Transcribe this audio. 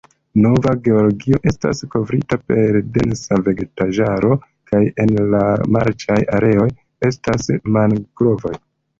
Nova Georgio estas kovrita per densa vegetaĵaro, kaj en la marĉaj areoj estas mangrovoj.